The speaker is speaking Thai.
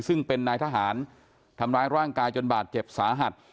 ซึ่งเป็นนายทหารทำร้ายร่างกายจนบาดเจ็บสาหัส